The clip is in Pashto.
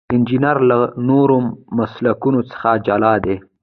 انجنیری له نورو مسلکونو څخه جلا ده.